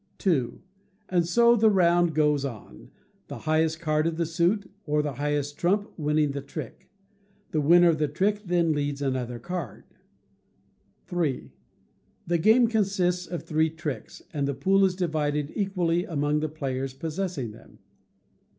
ii. And so the round goes on; the highest card of the suit, or the highest trump, winning the trick. The winner of the trick then leads another card. iii. The game consists of three tricks, and the pool is divided equally among the players possessing them.